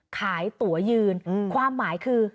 ตัวยืนความหมายคือ